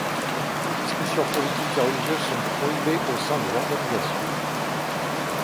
Les discussions politiques et religieuses sont prohibées au sein de l'organisation.